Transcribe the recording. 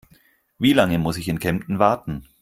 Wie lange muss ich in Kempten warten?